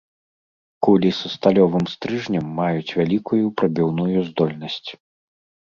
Кулі са сталёвым стрыжнем маюць вялікую прабіўную здольнасць.